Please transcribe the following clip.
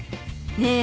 ねえ？